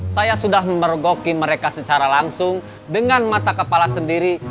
saya sudah memergoki mereka secara langsung dengan mata kepala sendiri